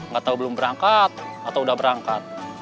gak tau belum berangkat atau udah berangkat